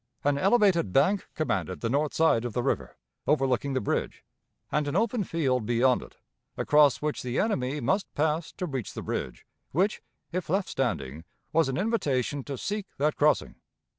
An elevated bank commanded the north side of the river, overlooking the bridge, and an open field beyond it, across which the enemy must pass to reach the bridge, which, if left standing, was an invitation to seek that crossing.